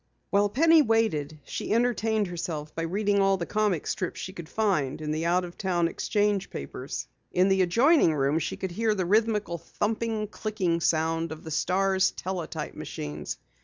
While Penny waited, she entertained herself by reading all the comic strips she could find in the out of town exchange papers. In the adjoining room she could hear the rhythmical thumping, clicking sound of the Star's teletype machines.